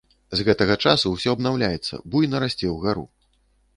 З гэтага часу ўсё абнаўляецца, буйна расце ўгару.